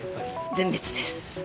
全滅です。